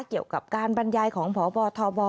เกี่ยวกับการบรรยายของพบทบ